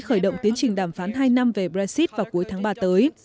khởi động tiến trình đàm phán hai năm về brexit vào cuối tháng ba tới